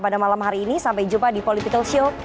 pada malam hari ini sampai jumpa di political show